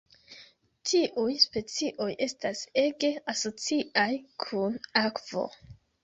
Tiuj specioj estas ege asociaj kun akvo.